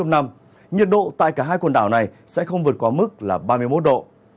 nhiệt độ tại cả hai quần đảo này sẽ không vượt qua mức là ba mươi một độ